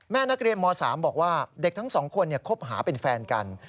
แม่นักเรียนม๓บอกว่าเด็กทั้งสองคนคบหาเป็นแฟนกัน